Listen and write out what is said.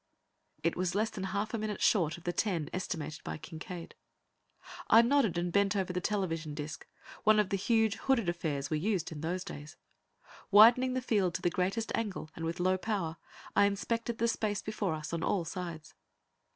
It was less than half a minute short of the ten estimated by Kincaide. I nodded and bent over the television disc one of the huge, hooded affairs we used in those days. Widening the field to the greatest angle, and with low power, I inspected the space before us on all sides.